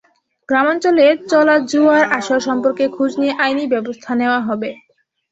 গ্রামাঞ্চলে চলা জুয়ার আসর সম্পর্কে খোঁজ নিয়ে আইনি ব্যবস্থা নেওয়া হবে।